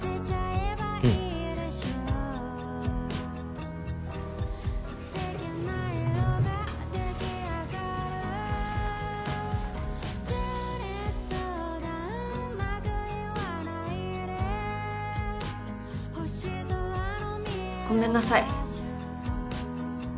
うん。ごめんなさい。